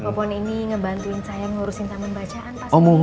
popon ini ngebantuin saya ngurusin taman bacaan pak srogi